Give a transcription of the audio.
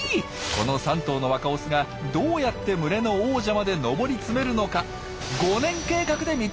この３頭の若オスがどうやって群れの王者まで上り詰めるのか５年計画で密着しますよ！